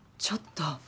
ちょっと。